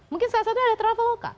mungkin salah satunya ada traveloka